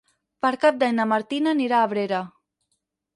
Per Cap d'Any na Martina anirà a Abrera.